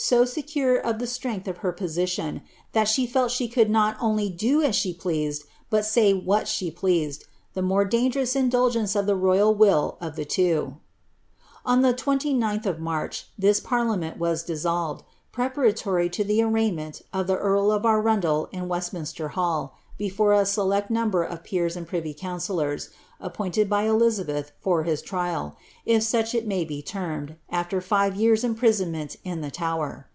so secure of the strength of her position, that she fell she could not only do as she pleased, but say aliat she pleased ; the more dangerous indulgence of the royal will of the (wo. On the 29lh of March tliis parliament was dissolved, prcparatorr to tlie arraignment of the earl of Arundel in WestinJnslcr hall, before a select number of peers and privy councillors, appointed by Eliiabeih for his trial, if such it may be termed, after five years imprisonment ia the Tower.